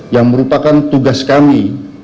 yang merupakan tugas kami